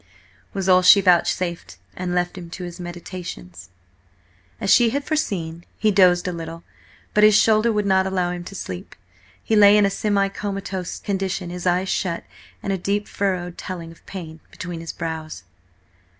was all she vouchsafed, and left him to his meditations. As she had foreseen, he dozed a little, but his shoulder would not allow him to sleep. He lay in a semi comatose condition, his eyes shut, and a deep furrow, telling of pain, between his brows.